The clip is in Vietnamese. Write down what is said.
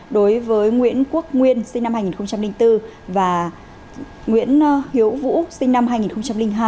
đối với nguyễn quốc nguyên sinh năm hai nghìn bốn và nguyễn hiếu vũ sinh năm hai nghìn hai